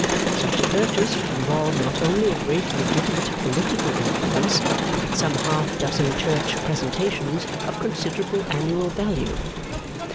Such a purchase would involve not only a great legitimate political influence, but some half dozen church presentations of considerable annual value.